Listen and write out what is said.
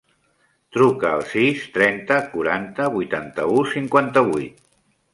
Truca al sis, trenta, quaranta, vuitanta-u, cinquanta-vuit.